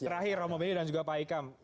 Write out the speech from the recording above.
terakhir romo beni dan juga pak ikam